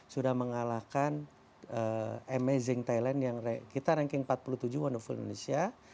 sudah mengalahkan amazing thailand yang kita ranking empat puluh tujuh wonderful indonesia